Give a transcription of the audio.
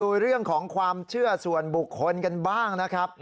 ดูเรื่องของความเชื่อส่วนบุคคลกันบ้างนะครับ